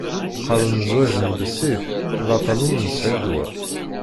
Qaren zzwaǧ n bessif, d aṭṭan ur nesεi ddwa.